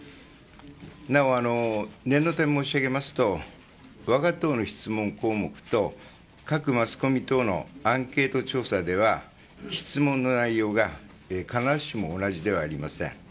なお、念のため申し上げますと我が党の質問項目と各マスコミ等のアンケート調査では質問の内容が必ずしも同じではありません。